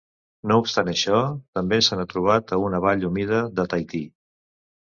No obstant això, també se n'ha trobat a una vall humida de Tahití.